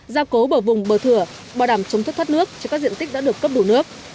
gia cố bờ vùng bờ thửa bảo đảm chống thất thoát nước cho các diện tích đã được cấp đủ nước